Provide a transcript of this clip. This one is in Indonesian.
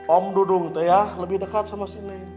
om dudung itu ya lebih dekat sama si neng